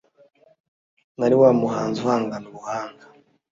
nari wa muhanzi uhangana ubuhanga